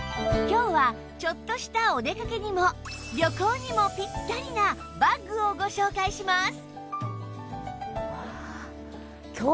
今日はちょっとしたお出かけにも旅行にもぴったりなバッグをご紹介します